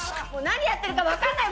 何やってるかわかんない